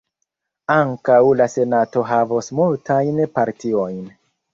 Ankaŭ la Senato havos multajn partiojn.